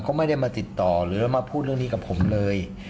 ก็ไม่ได้มาติดต่อหรือมาพูดเรื่องนี้กับผมเลย